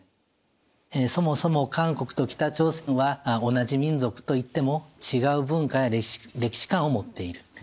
そもそも韓国と北朝鮮は同じ民族といっても違う文化や歴史観を持っている。